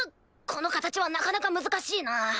この形はなかなか難しいな。